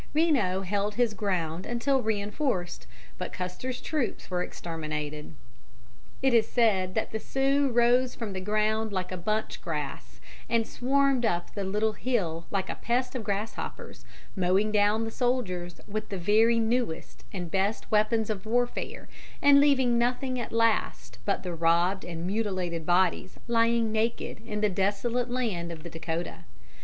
Reno held his ground until reinforced, but Custer's troops were exterminated. It is said that the Sioux rose from the ground like bunch grass and swarmed up the little hill like a pest of grasshoppers, mowing down the soldiers with the very newest and best weapons of warfare, and leaving nothing at last but the robbed and mutilated bodies lying naked in the desolate land of the Dakotah.